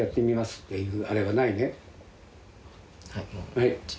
はい。